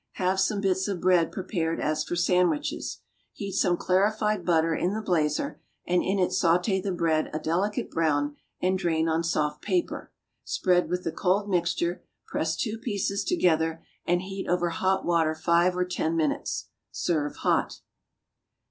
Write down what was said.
Have some bits of bread prepared as for sandwiches. Heat some clarified butter in the blazer, and in it sauté the bread a delicate brown, and drain on soft paper. Spread with the cold mixture, press two pieces together, and heat over hot water five or ten minutes. Serve hot.